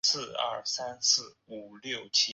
配音人员和动画版相同。